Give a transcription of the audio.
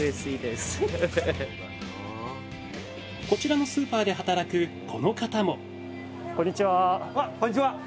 こちらのスーパーで働くこの方もこんにちは！